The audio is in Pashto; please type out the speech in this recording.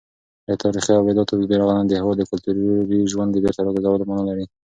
د تاریخي ابداتو بیارغونه د هېواد د کلتوري ژوند د بېرته راګرځولو مانا لري.